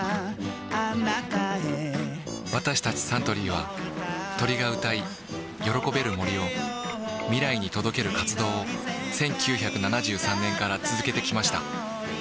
私たちサントリーは鳥が歌い喜べる森を未来に届ける活動を１９７３年から続けてきました